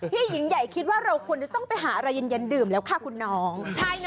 หญิงใหญ่คิดว่าเราควรจะต้องไปหาอะไรเย็นดื่มแล้วค่ะคุณน้อง